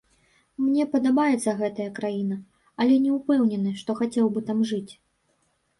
Мне падабаецца гэтая краіна, але не ўпэўнены, што хацеў бы там жыць.